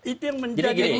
itu yang menjadi